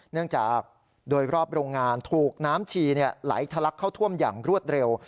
เนื่องจากโดยรอบโรงงานถูกน้ำชีไหลทะลักเข้าท่วมอย่างรวดเร็ว